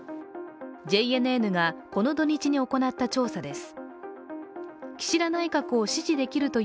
ＪＮＮがこの土日に行った調査です。